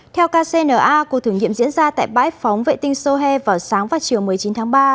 theo kcna cuộc thử nghiệm diễn ra tại bãi phóng vệ tinh sohe vào sáng và chiều một mươi chín tháng ba